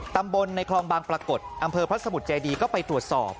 ตำบลในคลองบางปรากฏอำเภอพระสมุทรเจดีก็ไปตรวจสอบ